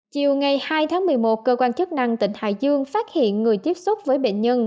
chiều ngày hai tháng một mươi một cơ quan chức năng tỉnh hải dương phát hiện người tiếp xúc với bệnh nhân